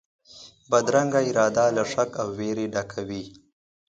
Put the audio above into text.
بدرنګه اراده له شک او وېري ډکه وي